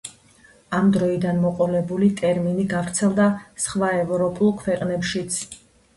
ამ დროიდან მოყოლებული ტერმინი გავრცელდა სხვა ევროპულ ქვეყნებშიც.